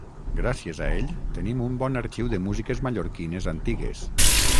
Gràcies a ell tenim un bon arxiu de músiques mallorquines antigues